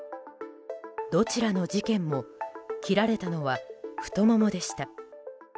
どちらの事件も切られたのは太ももでした。